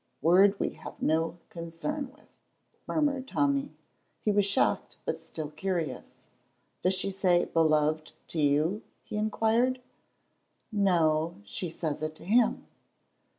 '" "Word We have no Concern with," murmured Tommy. He was shocked, but still curious. "Does she say 'Beloved' to you?" he inquired. "No, she says it to him."